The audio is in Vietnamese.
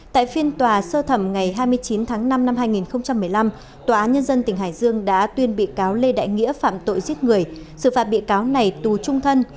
tại phiên tòa sơ thẩm ngày hai mươi chín tháng năm năm hai nghìn một mươi năm tòa án nhân dân tỉnh hải dương đã tuyên bị cáo lê đại nghĩa phạm tội giết người xử phạt bị cáo này tù trung thân